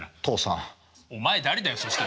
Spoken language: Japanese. お前誰だよそしたら。